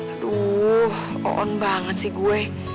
aduh oon banget sih gue